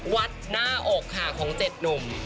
วัดหน้าอกค่ะของเจ็ดหนุ่ม